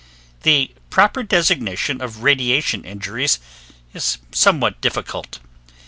The proper designation of radiation injuries is somewhat difficult.